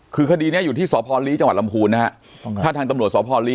คือคดีนี้อยู่ที่สพลีจังหวัดลำพูนนะฮะถ้าทางตำรวจสพลี